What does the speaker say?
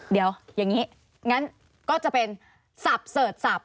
เดี๋ยวอย่างนี้งั้นก็จะเป็นสับเสิร์ชสับ